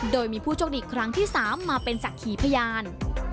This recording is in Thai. โดยมีผู้โชคดีครั้งที่๓มาเป็นสักขีพยาน